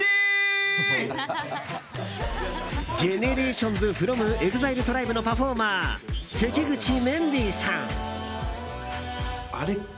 ＧＥＮＥＲＡＴＩＯＮＳｆｒｏｍＥＸＩＬＥＴＲＩＢＥのパフォーマー関口メンディーさん。